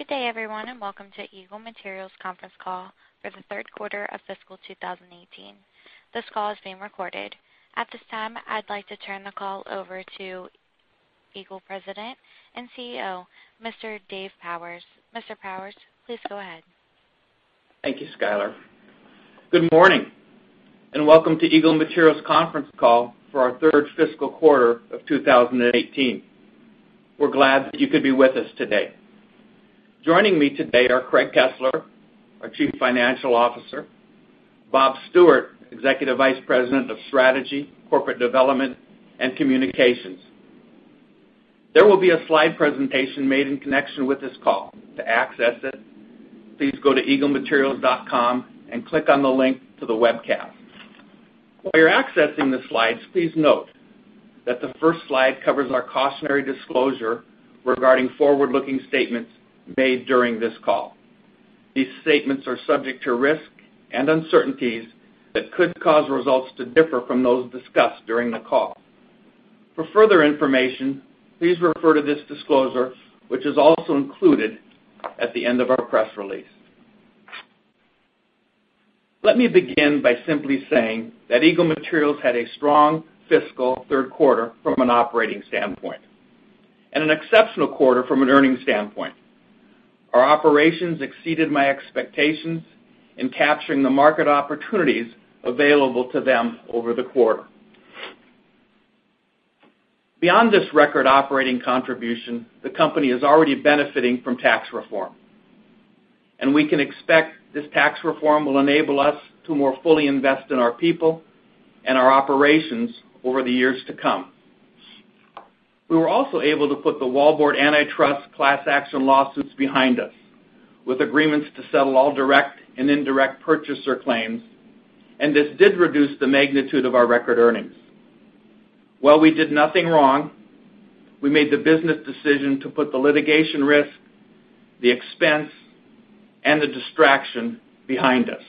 Good day everyone. Welcome to Eagle Materials conference call for the third quarter of fiscal 2018. This call is being recorded. At this time, I'd like to turn the call over to Eagle President and Chief Executive Officer, Mr. Dave Powers. Mr. Powers, please go ahead. Thank you, Skyler. Good morning. Welcome to Eagle Materials conference call for our third fiscal quarter of 2018. We're glad that you could be with us today. Joining me today are Craig Kesler, our Chief Financial Officer, Bob Stewart, Executive Vice President of Strategy, Corporate Development, and Communications. There will be a slide presentation made in connection with this call. To access it, please go to eaglematerials.com and click on the link to the webcast. While you're accessing the slides, please note that the first slide covers our cautionary disclosure regarding forward-looking statements made during this call. These statements are subject to risk and uncertainties that could cause results to differ from those discussed during the call. For further information, please refer to this disclosure, which is also included at the end of our press release. Let me begin by simply saying that Eagle Materials had a strong fiscal third quarter from an operating standpoint. An exceptional quarter from an earnings standpoint. Our operations exceeded my expectations in capturing the market opportunities available to them over the quarter. Beyond this record operating contribution, the company is already benefiting from tax reform. We can expect this tax reform will enable us to more fully invest in our people and our operations over the years to come. We were also able to put the Wallboard Antitrust class action lawsuits behind us, with agreements to settle all direct and indirect purchaser claims. This did reduce the magnitude of our record earnings. While we did nothing wrong, we made the business decision to put the litigation risk, the expense, and the distraction behind us.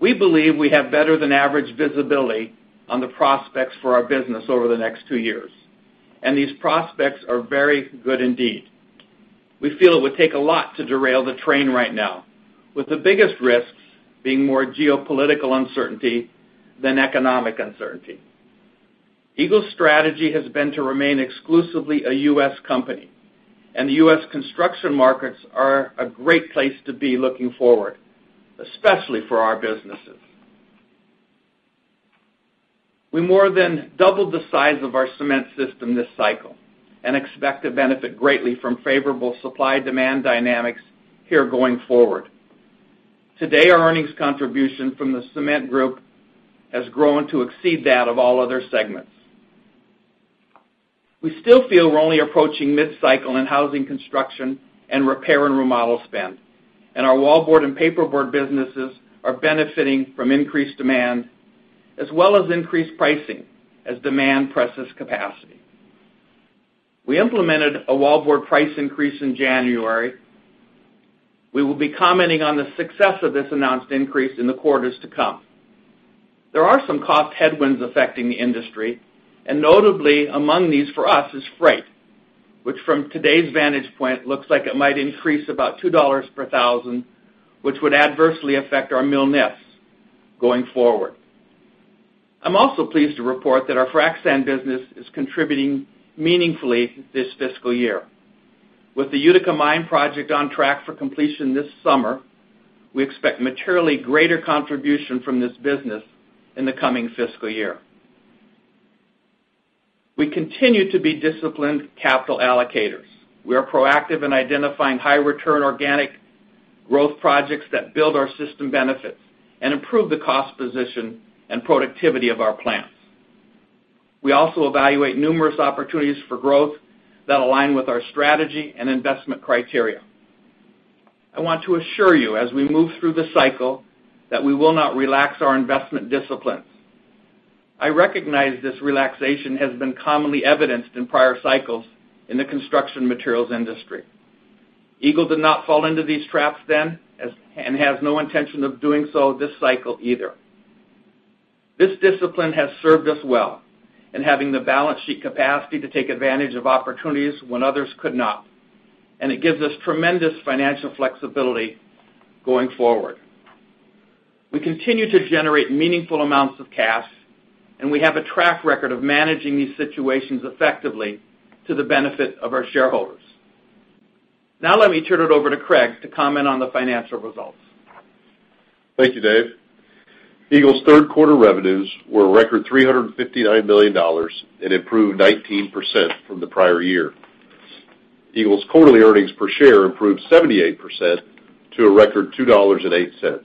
We believe we have better than average visibility on the prospects for our business over the next two years. These prospects are very good indeed. We feel it would take a lot to derail the train right now, with the biggest risks being more geopolitical uncertainty than economic uncertainty. Eagle's strategy has been to remain exclusively a U.S. company. The U.S. construction markets are a great place to be looking forward, especially for our businesses. We more than doubled the size of our cement system this cycle and expect to benefit greatly from favorable supply-demand dynamics here going forward. Today, our earnings contribution from the cement group has grown to exceed that of all other segments. We still feel we're only approaching mid-cycle in housing construction and repair and remodel spend, and our wallboard and paperboard businesses are benefiting from increased demand, as well as increased pricing as demand presses capacity. We implemented a wallboard price increase in January. We will be commenting on the success of this announced increase in the quarters to come. There are some cost headwinds affecting the industry, and notably among these for us is freight, which from today's vantage point, looks like it might increase about $2 per thousand, which would adversely affect our mill nets going forward. I'm also pleased to report that our frac sand business is contributing meaningfully this fiscal year. With the Utica mine project on track for completion this summer, we expect materially greater contribution from this business in the coming fiscal year. We continue to be disciplined capital allocators. We are proactive in identifying high-return organic growth projects that build our system benefits and improve the cost position and productivity of our plants. We also evaluate numerous opportunities for growth that align with our strategy and investment criteria. I want to assure you, as we move through this cycle, that we will not relax our investment disciplines. I recognize this relaxation has been commonly evidenced in prior cycles in the construction materials industry. Eagle did not fall into these traps then, and has no intention of doing so this cycle either. This discipline has served us well in having the balance sheet capacity to take advantage of opportunities when others could not, and it gives us tremendous financial flexibility going forward. We continue to generate meaningful amounts of cash, and we have a track record of managing these situations effectively to the benefit of our shareholders. Let me turn it over to Craig to comment on the financial results. Thank you, Dave. Eagle's third quarter revenues were a record $359 million, and improved 19% from the prior year. Eagle's quarterly earnings per share improved 78% to a record $2.08.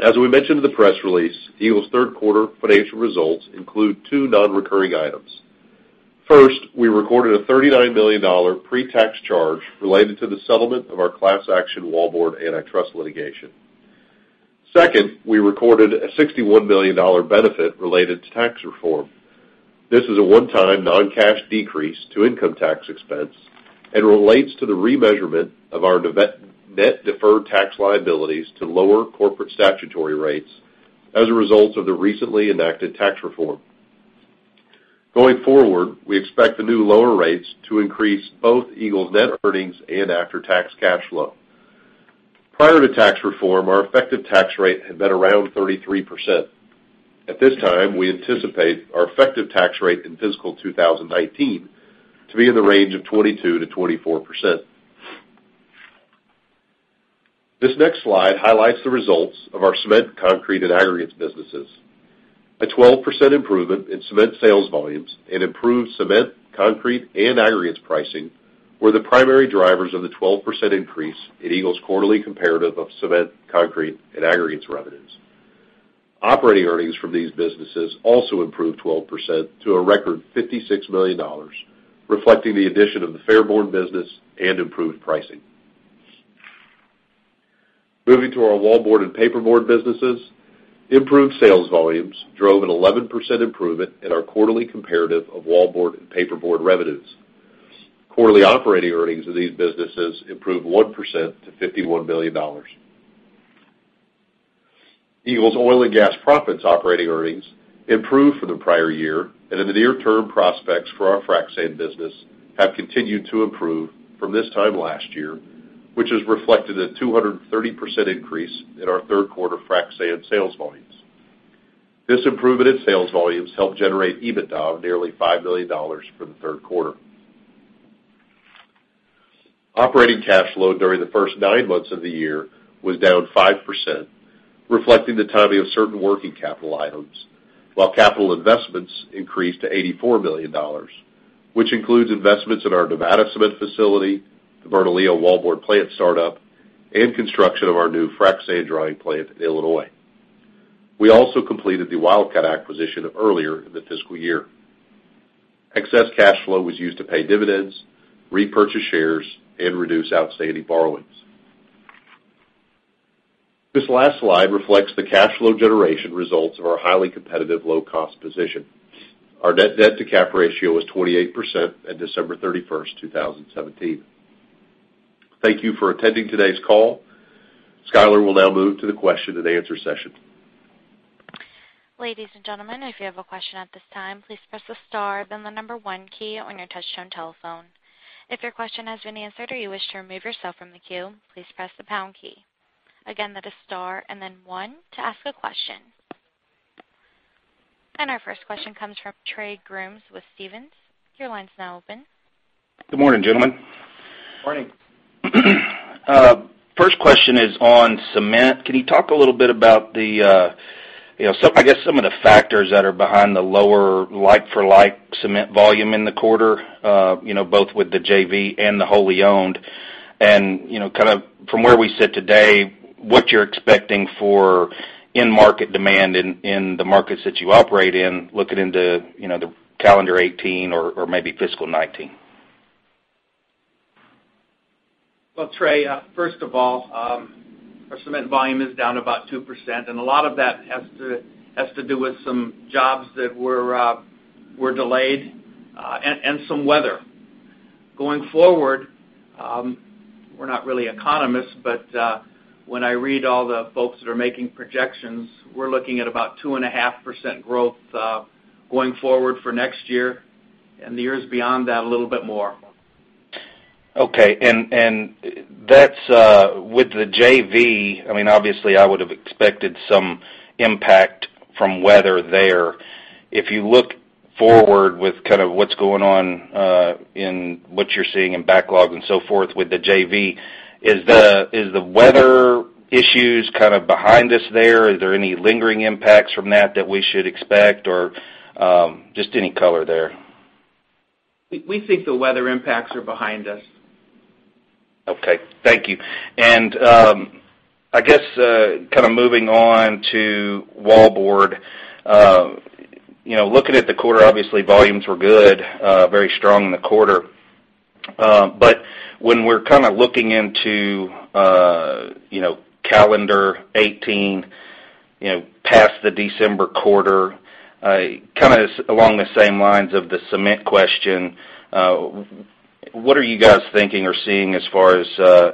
As we mentioned in the press release, Eagle's third quarter financial results include two non-recurring items. First, we recorded a $39 million pre-tax charge related to the settlement of our class action Wallboard Antitrust litigation. Second, we recorded a $61 million benefit related to tax reform. This is a one-time non-cash decrease to income tax expense and relates to the remeasurement of our net deferred tax liabilities to lower corporate statutory rates as a result of the recently enacted tax reform Going forward, we expect the new lower rates to increase both Eagle's net earnings and after-tax cash flow. Prior to tax reform, our effective tax rate had been around 33%. At this time, we anticipate our effective tax rate in fiscal 2019 to be in the range of 22%-24%. This next slide highlights the results of our cement, concrete, and aggregates businesses. A 12% improvement in cement sales volumes and improved cement, concrete, and aggregates pricing were the primary drivers of the 12% increase in Eagle's quarterly comparative of cement, concrete, and aggregates revenues. Operating earnings from these businesses also improved 12% to a record $56 million, reflecting the addition of the Fairborn business and improved pricing. Moving to our wallboard and paperboard businesses, improved sales volumes drove an 11% improvement in our quarterly comparative of wallboard and paperboard revenues. Quarterly operating earnings of these businesses improved 1% to $51 million. Eagle's oil and gas proppants operating earnings improved from the prior year. The near-term prospects for our frac sand business have continued to improve from this time last year, which has reflected a 230% increase in our third quarter frac sand sales volumes. This improvement in sales volumes helped generate EBITDA of nearly $5 million for the third quarter. Operating cash flow during the first nine months of the year was down 5%, reflecting the timing of certain working capital items. Capital investments increased to $84 million, which includes investments in our Nevada cement facility, the Bernalillo wallboard plant startup, and construction of our new frac sand drying plant in Illinois. We also completed the Wildcat acquisition earlier in the fiscal year. Excess cash flow was used to pay dividends, repurchase shares, and reduce outstanding borrowings. This last slide reflects the cash flow generation results of our highly competitive low-cost position. Our net debt to cap ratio was 28% at December 31st, 2017. Thank you for attending today's call. Skyler will now move to the question and answer session. Ladies and gentlemen, if you have a question at this time, please press the star then the number one key on your touchtone telephone. If your question has been answered or you wish to remove yourself from the queue, please press the pound key. Again, that is star and then one to ask a question. Our first question comes from Trey Grooms with Stephens. Your line's now open. Good morning, gentlemen. Morning. First question is on cement. Can you talk a little bit about, I guess some of the factors that are behind the lower like-for-like cement volume in the quarter, both with the JV and the wholly owned? From where we sit today, what you're expecting for end market demand in the markets that you operate in looking into the calendar 2018 or maybe fiscal 2019? Well, Trey, first of all, our cement volume is down about 2%. A lot of that has to do with some jobs that were delayed, and some weather. Going forward, we're not really economists, when I read all the folks that are making projections, we're looking at about 2.5% growth, going forward for next year, the years beyond that, a little bit more. Okay. That's with the JV-- Obviously, I would have expected some impact from weather there. If you look forward with what's going on in what you're seeing in backlog and so forth with the JV, is the weather issues behind us there? Is there any lingering impacts from that that we should expect? Just any color there. We think the weather impacts are behind us. Okay. Thank you. I guess, moving on to wallboard. Looking at the quarter, obviously volumes were good, very strong in the quarter. When we're looking into calendar 2018, past the December quarter, along the same lines of the cement question, what are you guys thinking or seeing as far as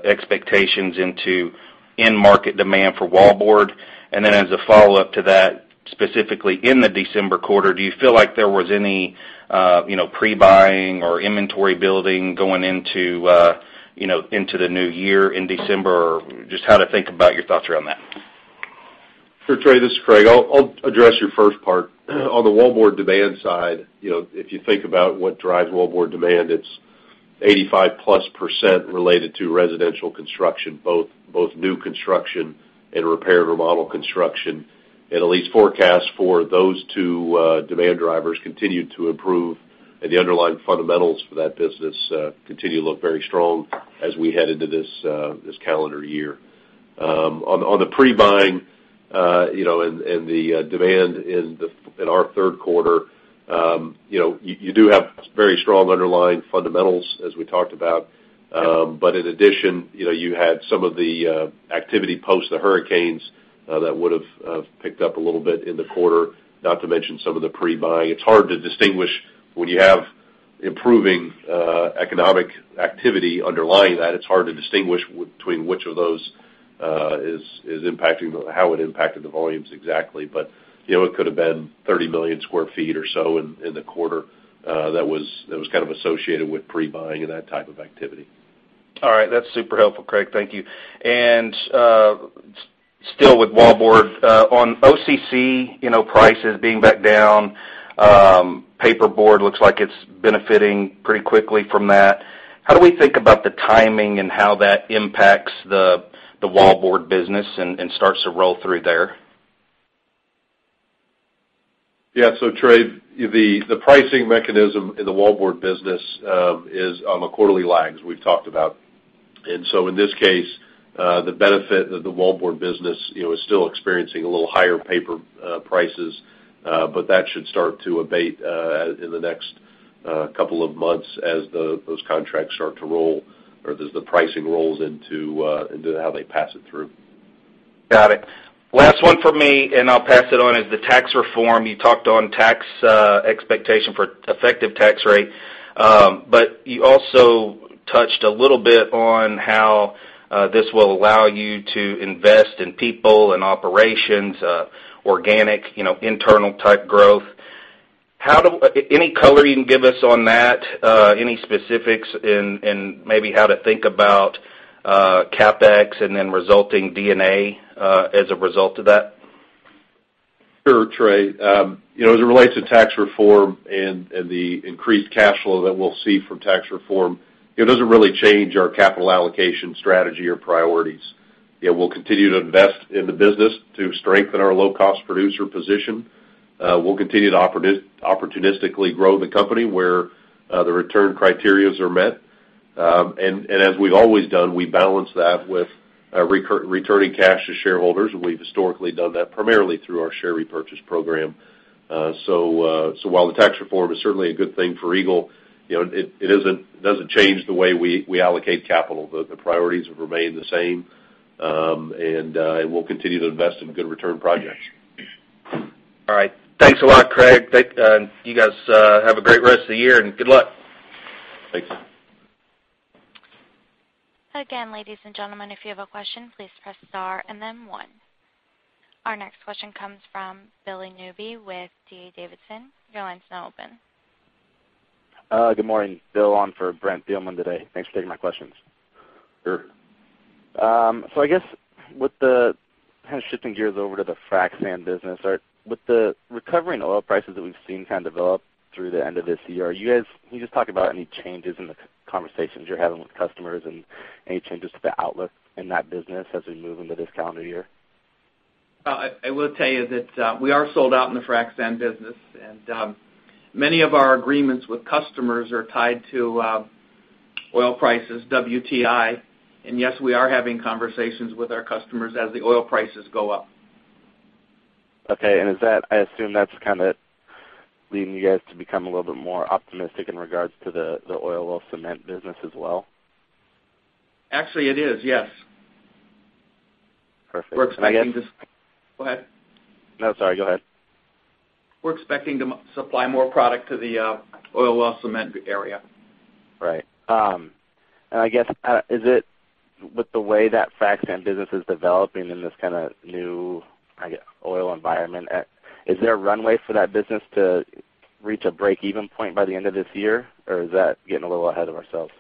expectations into end market demand for wallboard? As a follow-up to that, specifically in the December quarter, do you feel like there was any pre-buying or inventory building going into the new year in December? Or just how to think about your thoughts around that. Sure, Trey, this is Craig. I'll address your first part. On the wallboard demand side, if you think about what drives wallboard demand, it's 85%+ related to residential construction, both new construction and repair and remodel construction. At least forecasts for those two demand drivers continue to improve, and the underlying fundamentals for that business continue to look very strong as we head into this calendar year. On the pre-buying, and the demand in our third quarter, you do have very strong underlying fundamentals as we talked about. In addition, you had some of the activity post the hurricanes that would have picked up a little bit in the quarter, not to mention some of the pre-buying. It's hard to distinguish when you have improving economic activity underlying that, it's hard to distinguish between which of those is impacting, how it impacted the volumes exactly. It could have been 30 million square feet or so in the quarter that was kind of associated with pre-buying and that type of activity. All right. That's super helpful, Craig. Thank you. Still with Wallboard. On OCC, prices being back down, paperboard looks like it's benefiting pretty quickly from that. How do we think about the timing and how that impacts the Wallboard business and starts to roll through there? Yeah. Trey, the pricing mechanism in the Wallboard business is on a quarterly lag, as we've talked about. In this case, the benefit of the Wallboard business is still experiencing a little higher paper prices, but that should start to abate in the next couple of months as those contracts start to roll, or as the pricing rolls into how they pass it through. Got it. Last one from me, I'll pass it on, is the tax reform. You talked on tax expectation for effective tax rate, you also touched a little bit on how this will allow you to invest in people and operations, organic, internal type growth. Any color you can give us on that? Any specifics in maybe how to think about CapEx and then resulting D&A as a result of that? Sure, Trey. As it relates to tax reform and the increased cash flow that we'll see from tax reform, it doesn't really change our capital allocation strategy or priorities. We'll continue to invest in the business to strengthen our low-cost producer position. We'll continue to opportunistically grow the company where the return criterias are met. As we've always done, we balance that with returning cash to shareholders. We've historically done that primarily through our share repurchase program. While the tax reform is certainly a good thing for Eagle, it doesn't change the way we allocate capital. The priorities have remained the same, we'll continue to invest in good return projects. All right. Thanks a lot, Craig. You guys have a great rest of the year, and good luck. Thank you. Again, ladies and gentlemen, if you have a question, please press star and then one. Our next question comes from Billy Newby with D.A. Davidson. Your line's now open. Good morning. Bill on for Brent Thielman today. Thanks for taking my questions. Sure. I guess, kind of shifting gears over to the frac sand business. With the recovery in oil prices that we've seen kind of develop through the end of this year, can you just talk about any changes in the conversations you're having with customers and any changes to the outlook in that business as we move into this calendar year? I will tell you that we are sold out in the frac sand business, and many of our agreements with customers are tied to oil prices, WTI. Yes, we are having conversations with our customers as the oil prices go up. Okay. I assume that's kind of leading you guys to become a little bit more optimistic in regards to the oil well cement business as well? Actually, it is, yes. Perfect. Go ahead. No, sorry. Go ahead. We're expecting to supply more product to the oil well cement area. Right. I guess, with the way that frac sand business is developing in this kind of new oil environment, is there a runway for that business to reach a break-even point by the end of this year? Or is that getting a little ahead of ourselves?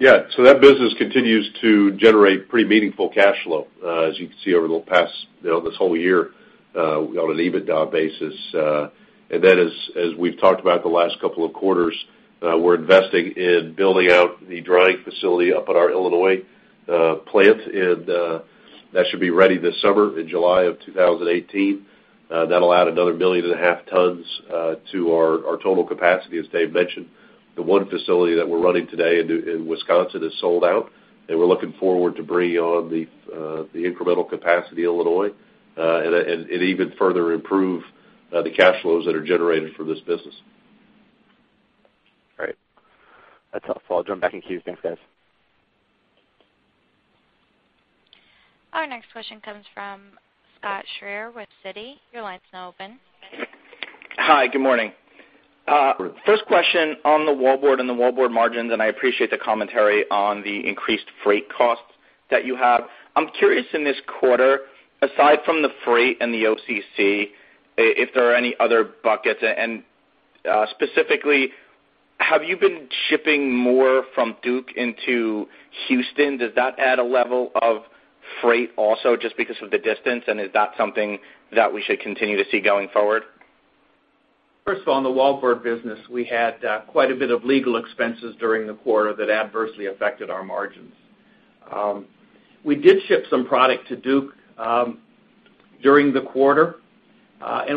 That business continues to generate pretty meaningful cash flow. As you can see over this whole year on an EBITDA basis. As we've talked about the last couple of quarters, we're investing in building out the drying facility up at our Illinois plant, and that should be ready this summer in July of 2018. That'll add another 1.5 million tons to our total capacity. As Dave mentioned, the one facility that we're running today in Wisconsin is sold out, we're looking forward to bringing on the incremental capacity in Illinois, even further improve the cash flows that are generated for this business. Great. That's helpful. I'll jump back in queue. Thanks, guys. Our next question comes from Scott Schrier with Citi. Your line's now open. Hi. Good morning. Good morning. First question on the Wallboard and the Wallboard margins. I appreciate the commentary on the increased freight costs that you have. I'm curious in this quarter, aside from the freight and the OCC, if there are any other buckets. Specifically, have you been shipping more from Duke into Houston? Does that add a level of freight also just because of the distance? Is that something that we should continue to see going forward? First of all, in the Wallboard business, we had quite a bit of legal expenses during the quarter that adversely affected our margins. We did ship some product to Duke during the quarter.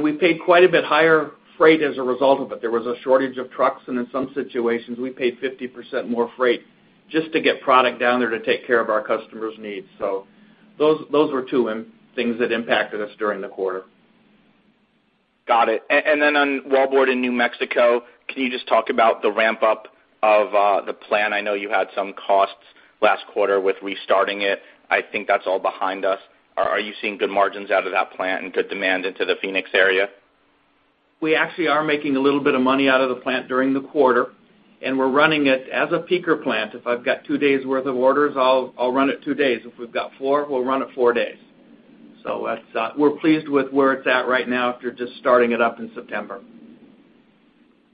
We paid quite a bit higher freight as a result of it. There was a shortage of trucks, in some situations, we paid 50% more freight just to get product down there to take care of our customers' needs. Those were two things that impacted us during the quarter. Got it. On Wallboard in New Mexico, can you just talk about the ramp-up of the plant. I know you had some costs last quarter with restarting it. I think that's all behind us. Are you seeing good margins out of that plant and good demand into the Phoenix area? We actually are making a little bit of money out of the plant during the quarter, we're running it as a peaker plant. If I've got two days worth of orders, I'll run it two days. If we've got four, we'll run it four days. We're pleased with where it's at right now after just starting it up in September.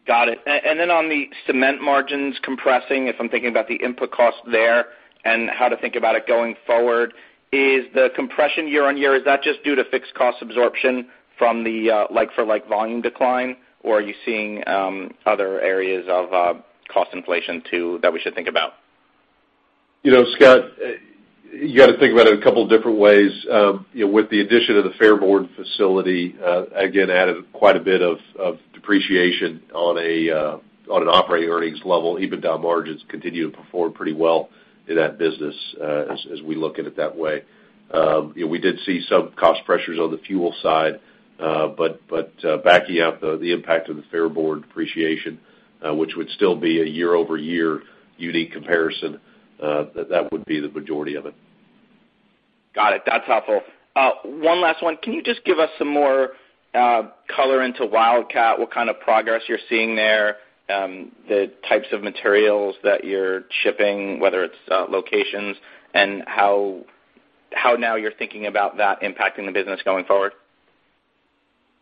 Got it. On the cement margins compressing, if I'm thinking about the input cost there and how to think about it going forward, is the compression year-on-year, is that just due to fixed cost absorption from the like-for-like volume decline, or are you seeing other areas of cost inflation too that we should think about? Scott, you got to think about it a couple different ways. With the addition of the Fairborn facility, again, added quite a bit of depreciation on an operating earnings level. EBITDA margins continue to perform pretty well in that business as we look at it that way. Backing out the impact of the Fairborn depreciation, which would still be a year-over-year unique comparison, that would be the majority of it. Got it. That's helpful. One last one. Can you just give us some more color into Wildcat, what kind of progress you're seeing there, the types of materials that you're shipping, whether it's locations, and how now you're thinking about that impacting the business going forward?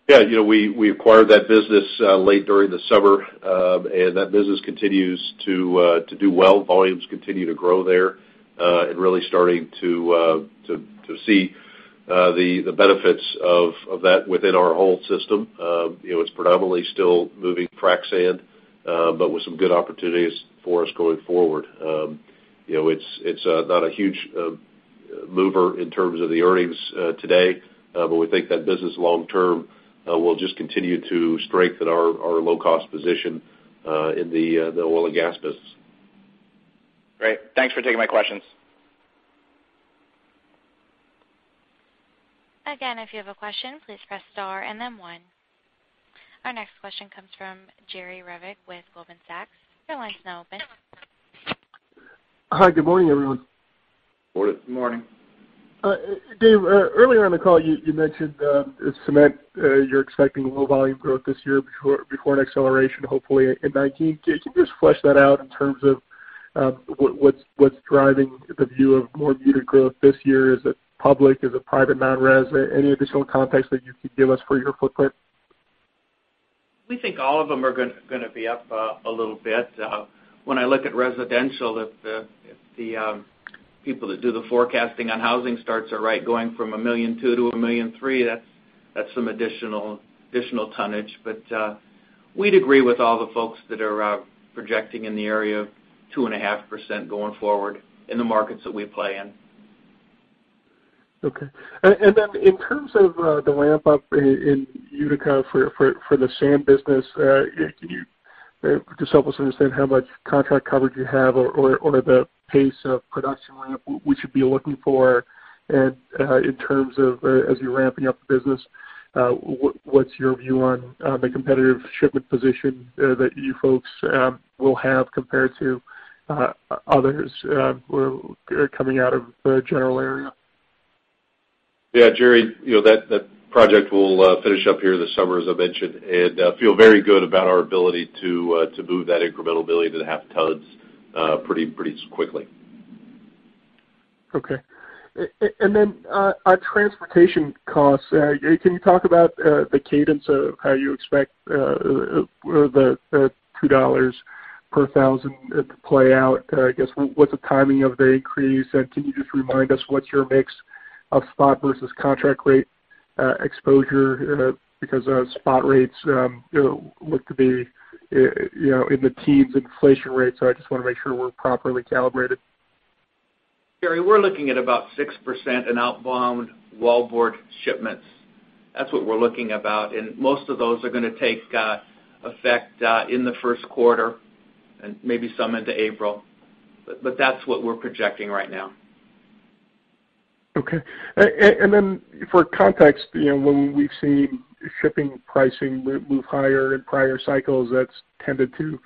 Yeah. We acquired that business late during the summer. That business continues to do well. Volumes continue to grow there. Really starting to see the benefits of that within our whole system. It's predominantly still moving frac sand, but with some good opportunities for us going forward. It's not a huge mover in terms of the earnings today, but we think that business long term will just continue to strengthen our low-cost position in the oil and gas business. Great. Thanks for taking my questions. Again, if you have a question, please press star and then one. Our next question comes from Jerry Revich with Goldman Sachs. Your line's now open. Hi. Good morning, everyone. Morning. Morning. Dave, earlier in the call you mentioned the cement, you're expecting low volume growth this year before an acceleration, hopefully in 2019. Can you just flesh that out in terms of what's driving the view of more muted growth this year? Is it public, is it private non-res? Any additional context that you could give us for your footprint? We think all of them are going to be up a little bit. When I look at residential, if the people that do the forecasting on housing starts are right, going from 1.2 million to 1.3 million, that's some additional tonnage. We'd agree with all the folks that are projecting in the area of 2.5% going forward in the markets that we play in. Okay. In terms of the ramp up in Utica for the sand business, can you just help us understand how much contract coverage you have or the pace of production ramp we should be looking for? In terms of as you're ramping up the business, what's your view on the competitive shipment position that you folks will have compared to others who are coming out of the general area? Yeah, Jerry, that project will finish up here this summer, as I mentioned. Feel very good about our ability to move that incremental 1.5 million tons pretty quickly. Okay. On transportation costs, can you talk about the cadence of how you expect the $2 per thousand to play out? I guess, what's the timing of the increase? Can you just remind us what's your mix of spot versus contract rate exposure? Because spot rates look to be in the teens inflation rate, I just want to make sure we're properly calibrated. Jerry, we're looking at about 6% in outbound wallboard shipments. That's what we're looking about, most of those are going to take effect in the first quarter and maybe some into April. That's what we're projecting right now. Okay. For context, when we've seen shipping pricing move higher in prior cycles, that's tended to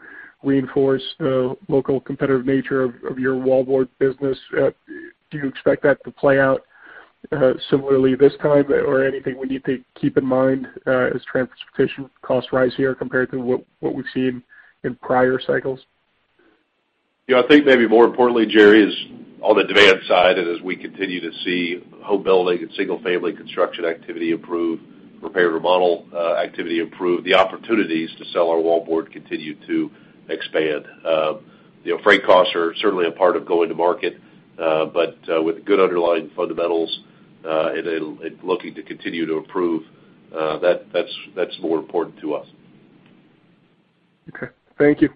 reinforce the local competitive nature of your wallboard business. Do you expect that to play out similarly this time? Anything we need to keep in mind as transportation costs rise here compared to what we've seen in prior cycles? I think maybe more importantly, Jerry Revich, is on the demand side. As we continue to see home building and single-family construction activity improve, repair and remodel activity improve, the opportunities to sell our wallboard continue to expand. Freight costs are certainly a part of going to market. With good underlying fundamentals, and looking to continue to improve, that's more important to us. Okay. Thank you.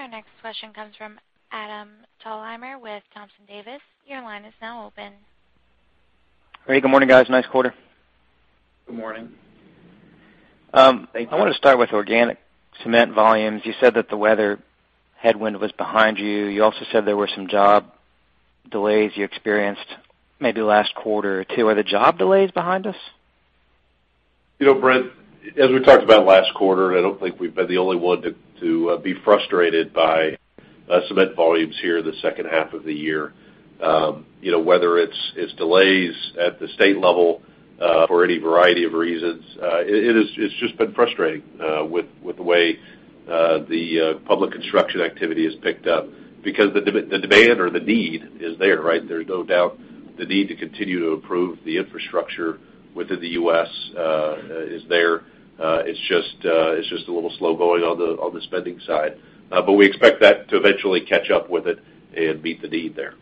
Our next question comes from Adam Thalhimer with Thompson Davis. Your line is now open. Great. Good morning, guys. Nice quarter. Good morning. I want to start with organic cement volumes. You said that the weather headwind was behind you. You also said there were some job delays you experienced maybe last quarter or two. Are the job delays behind us? Adam, as we talked about last quarter, I don't think we've been the only one to be frustrated by cement volumes here the second half of the year. Whether it's delays at the state level for any variety of reasons, it's just been frustrating with the way the public construction activity has picked up because the demand or the need is there, right? There's no doubt the need to continue to improve the infrastructure within the U.S. is there. It's just a little slow going on the spending side. We expect that to eventually catch up with it and meet the need there.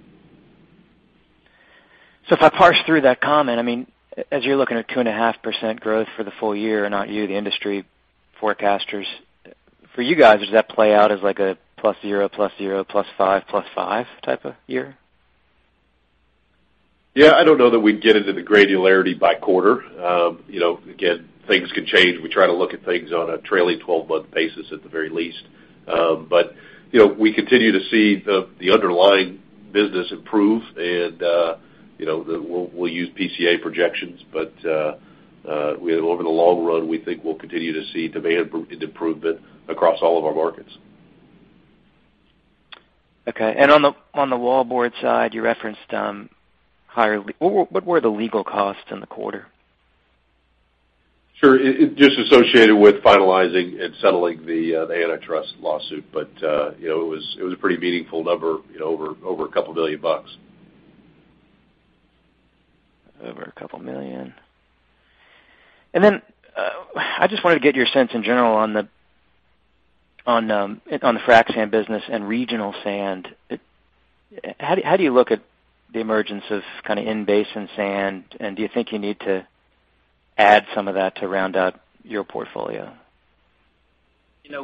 If I parse through that comment, as you're looking at 2.5% growth for the full year, not you, the industry forecasters. For you guys, does that play out as like a plus zero, plus zero, plus five type of year? Yeah. I don't know that we'd get into the granularity by quarter. Again, things can change. We try to look at things on a trailing 12-month basis at the very least. But we continue to see the underlying business improve, and we'll use PCA projections, but over the long run, we think we'll continue to see demand improvement across all of our markets. Okay. On the wallboard side, you referenced higher What were the legal costs in the quarter? Sure. Just associated with finalizing and settling the antitrust lawsuit. It was a pretty meaningful number, over a couple billion dollars. Over $2 million. I just wanted to get your sense in general on the frac sand business and regional sand. How do you look at the emergence of in-basin sand, do you think you need to add some of that to round out your portfolio?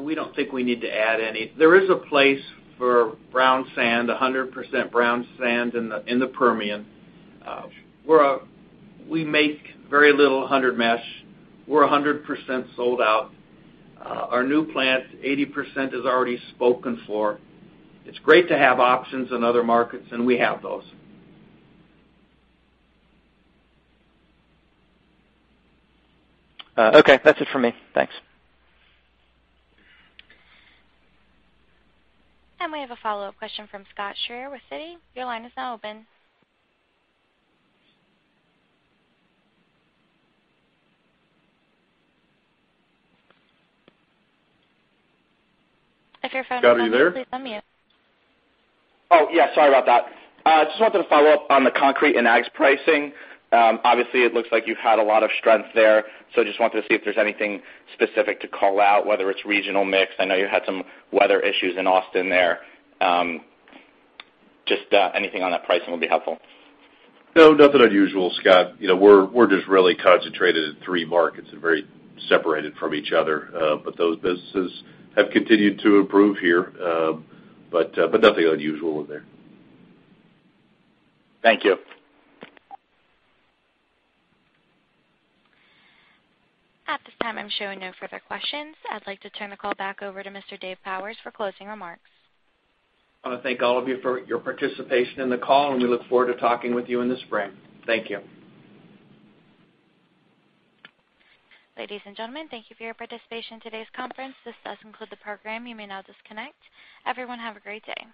We don't think we need to add any. There is a place for brown sand, 100% brown sand in the Permian. We make very little 100 mesh. We're 100% sold out. Our new plant, 80% is already spoken for. It's great to have options in other markets, we have those. Okay, that's it for me. Thanks. We have a follow-up question from Scott Schrier with Citi. Your line is now open. Scott, are you there? Please unmute. Oh, yeah. Sorry about that. Just wanted to follow up on the concrete and ags pricing. Obviously, it looks like you've had a lot of strength there, so just wanted to see if there's anything specific to call out, whether it's regional mix. I know you had some weather issues in Austin there. Just anything on that pricing will be helpful. No, nothing unusual, Scott. We're just really concentrated in three markets and very separated from each other. Those businesses have continued to improve here. Nothing unusual in there. Thank you. At this time, I'm showing no further questions. I'd like to turn the call back over to Mr. Dave Powers for closing remarks. I want to thank all of you for your participation in the call, and we look forward to talking with you in the spring. Thank you. Ladies and gentlemen, thank you for your participation in today's conference. This does conclude the program. You may now disconnect. Everyone, have a great day.